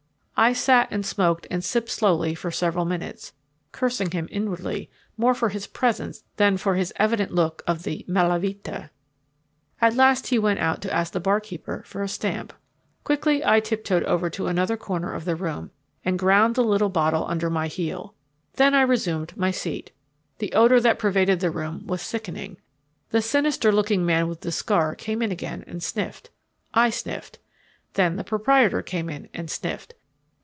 I sat and smoked and sipped slowly for several minutes, cursing him inwardly more for his presence than for his evident look of the "mala vita." At last he went out to ask the barkeeper for a stamp. Quickly I tiptoed over to another corner of the room and ground the little bottle under my heel. Then I resumed my seat. The odor that pervaded the room was sickening. The sinister looking man with the scar came in again and sniffed. I sniffed. Then the proprietor came in and sniffed.